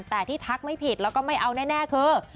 แต่ที่ทักไม่ผิดแล้วก็ไม่เอาแน่คือ